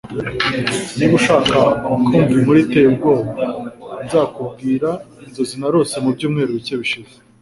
Niba ushaka kumva inkuru iteye ubwoba nzakubwira inzozi narose mubyumweru bike bishize